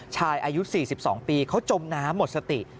อายุ๔๒ปีเขาจมน้ำหมดสติ